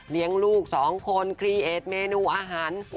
เลี้ยงลูก๒คนเคลียร์เอกส์เมนูอาหาร